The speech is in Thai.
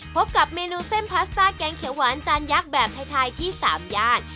พบกับเมนูเส้นพาสต้าแกงเขียวหวานจานยักษ์แบบไทยที่๓ย่าน